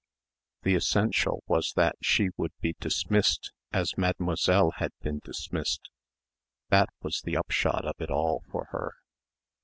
The essential was that she would be dismissed as Mademoiselle had been dismissed. That was the upshot of it all for her.